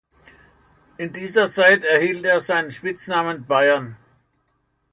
In dieser Zeit erhielt er seinen Spitznamen „Bayern“.